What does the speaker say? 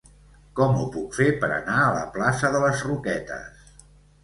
Com ho puc fer per anar a la plaça de les Roquetes?